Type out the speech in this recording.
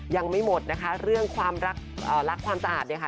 ยังไม่หมดนะคะเรื่องความรักความสะอาดเนี่ยค่ะ